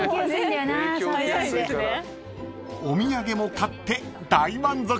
［お土産も買って大満足］